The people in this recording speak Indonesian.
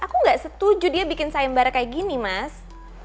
aku gak setuju dia bikin sayembara kayak gini mas